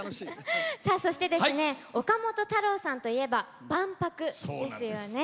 岡本太郎さんといえば万博ですよね。